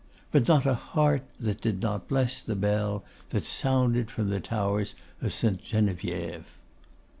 But not a heart there that did not bless the bell that sounded from the tower of St. Geneviève!